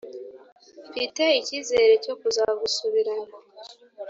Mfite ikizere cyo kuzagusubirana